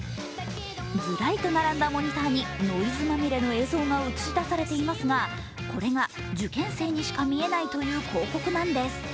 ずらりと並んだモニターにノイズまみれの映像が映し出されていますがこれが受験生にしか見えないという広告なんです。